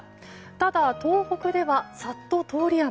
ただ東北ではさっと通り雨。